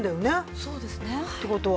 そうですね。って事は。